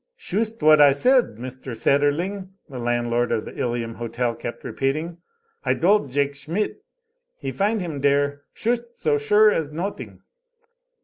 "Shust what I said, Mister Sederling," the landlord of the Ilium hotel kept repeating. "I dold Jake Schmidt he find him dere shust so sure as noting."